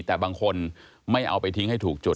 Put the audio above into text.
แต่บางคนไม่เอาไปทิ้งให้ถูกจุด